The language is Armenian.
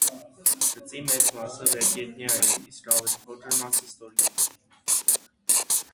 Գծի մեծ մասը վերգետնյա է, իսկ ավելի փոքր մասը ստորգետնյա։